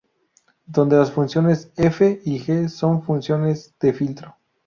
Donde las funciones "f" y "g" son funciones de filtro.